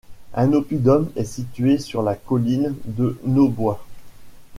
Un oppidum est situé sur la colline de Naubois.